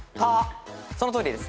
そのとおりです。